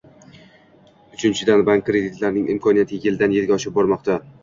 Uchinchidan, bank kreditlarining "imkoniyati" yildan -yilga oshib bormoqda